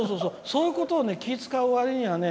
そういうことを気を遣うわりにね